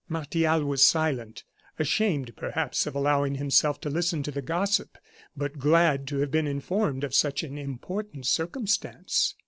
Martial was silent, ashamed, perhaps, of allowing himself to listen to the gossip, but glad to have been informed of such an important circumstance.